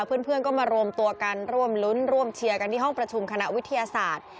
เพื่อนก็มารวมตัวกันร่วมรุ้นร่วมเชียร์กันที่ห้องประชุมคณะวิทยาศาสตร์